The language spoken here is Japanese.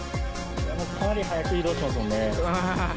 かなり速く移動しますもんね。